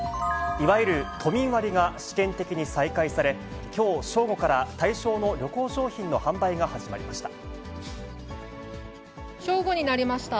いわゆる都民割が試験的に再開され、きょう正午から対象の旅行商品の販売が始まりました。